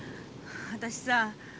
私さ